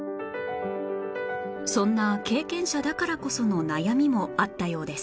そんな経験者だからこその悩みもあったようです